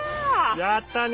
やったね。